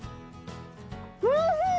おいしい！